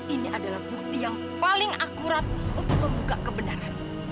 ini adalah bukti yang paling akurat untuk membuka kebenaran